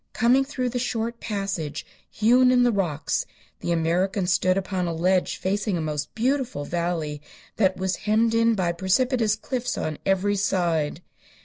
Coming through the short passage hewn in the rocks the American stood upon a ledge facing a most beautiful valley, that was hemmed in by precipitous cliffs on every side.